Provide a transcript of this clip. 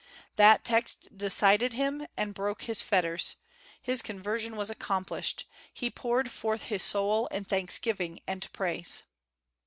That text decided him, and broke his fetters. His conversion was accomplished. He poured forth his soul in thanksgiving and praise.